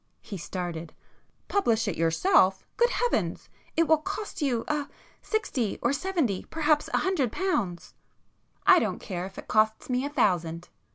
He started. "Publish it yourself! Good heavens!—it will cost you—ah!—sixty or seventy, perhaps a hundred pounds." "I don't care if it costs me a thousand!"